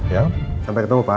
ya sampai ketemu pak